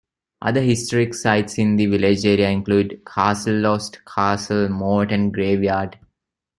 Other historic sites in the village area include Castlelost Castle, moat, and graveyard.